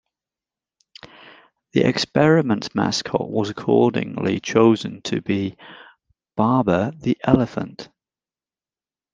The experiment's mascot was accordingly chosen to be Babar the Elephant.